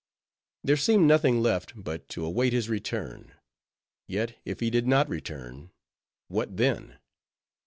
There seemed nothing left, but to await his return. Yet, if he did not return, what then?